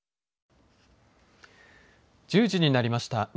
１０時になりました。